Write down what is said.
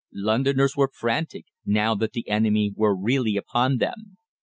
Londoners were frantic, now that the enemy were really upon them.